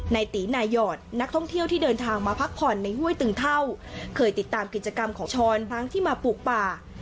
ในตีนายหอดนักท่องเที่ยวที่เดินทางมาพักผ่อนในห้วยตึงเท่าเคยติดตามกิจกรรมของช้อนครั้งที่มาปลูกป่า